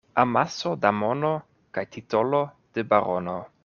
Amaso da mono kaj titolo de barono.